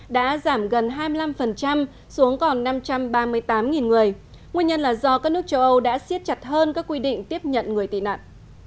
đã giảm gần hai mươi năm xuống còn năm trăm ba mươi tám người nguyên nhân là do các nước châu âu đã siết chặt hơn các quy định tiếp nhận người tị nạn